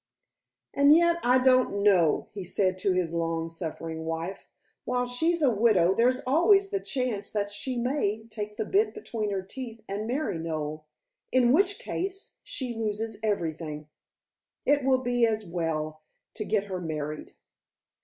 "And yet I don't know," he said to his long suffering wife. "While she's a widow there's always the chance that she may take the bit between her teeth and marry Noel, in which case she loses everything. It will be as well to get her married."